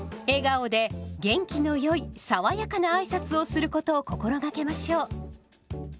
笑顔で元気のよい爽やかなあいさつをすることを心がけましょう。